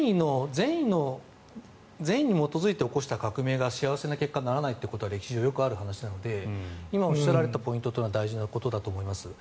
善意に基づいて起こした革命が幸せな結果にならないことは歴史上、よくある話なので今、おっしゃられたポイントというのは大事なことだと思います。